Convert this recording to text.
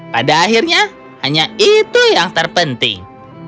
pada akhirnya hanya itu yang terpenting